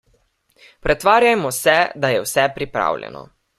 Pretvarjamo se, da je vse pripravljeno.